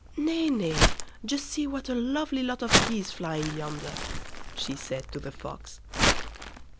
"Nay, nay; just see what a lovely lot of geese flying yonder", she said to the Fox.